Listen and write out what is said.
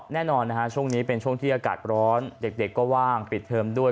แน่นอนนะฮะช่วงนี้เป็นช่วงที่อากาศร้อนเด็กก็ว่างปิดเทอมด้วย